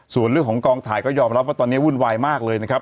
ส่วนเรื่องของกองถ่ายก็ยอมรับว่าตอนนี้วุ่นวายมากเลยนะครับ